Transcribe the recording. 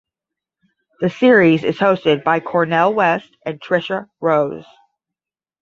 The series is hosted by Cornel West and Tricia Rose.